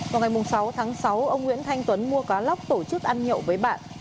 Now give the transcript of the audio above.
vào ngày sáu tháng sáu ông nguyễn thanh tuấn mua cá lóc tổ chức ăn nhậu với bạn